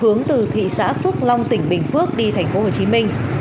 hướng từ thị xã phước long tỉnh bình phước đi thành phố hồ chí minh